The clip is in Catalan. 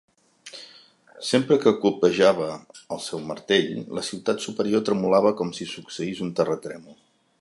Sempre que copejava el seu martell, la ciutat superior tremolava com si succeís un terratrèmol.